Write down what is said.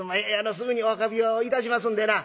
すぐにお運びをいたしますんでな」。